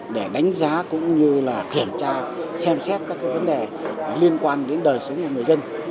để đánh giá cũng như là kiểm tra xem xét các vấn đề liên quan đến đời sống của người dân